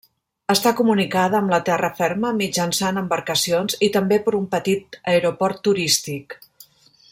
Està comunicada amb la terra ferma mitjançant embarcacions i també per un petit aeroport turístic.